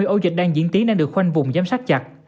ba mươi ổ dịch đang diễn tí đang được khoanh vùng giám sát chặt